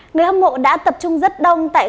người hâm mộ đã tập trung rất đông